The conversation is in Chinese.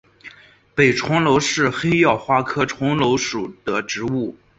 北重楼是黑药花科重楼属的植物。